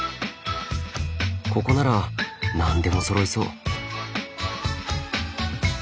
ここなら何でもそろいそう。